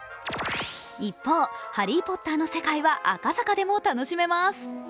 一方、ハリー・ポッターの世界は赤坂でも楽しめます。